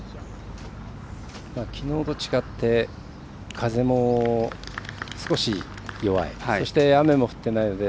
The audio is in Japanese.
きのうと違って風も少し弱い。